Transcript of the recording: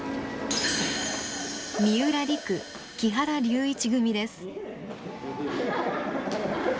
三浦璃来木原龍一組です。